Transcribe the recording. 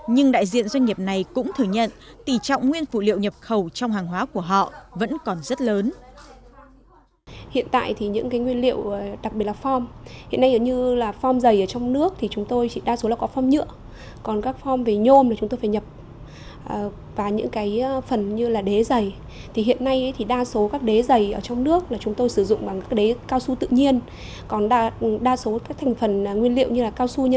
nhưng đại diện doanh nghiệp này cũng thừa nhận tỷ trọng nguyên phụ liệu nhập khẩu trong hàng hóa của họ vẫn còn rất lớn